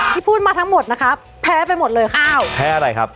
พูดมาทั้งหมดนะคะแพ้ไปหมดเลยข้าวแพ้อะไรครับ